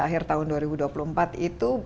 akhir tahun dua ribu dua puluh empat itu